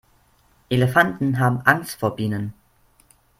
Elefanten haben Angst vor Bienen.